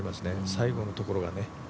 最後のところがね。